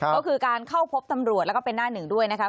ก็คือการเข้าพบตำรวจแล้วก็เป็นหน้าหนึ่งด้วยนะคะ